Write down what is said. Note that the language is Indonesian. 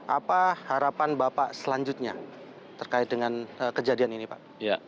apa harapan bapak selanjutnya terkait dengan kejadian ini pak